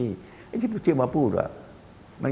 ตอนที่เธอมาพูดว่า